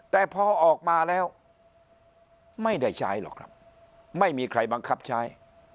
แต่พอออกมาแล้วไม่ได้ใช้หรอกครับไม่มีใครบังคับใช้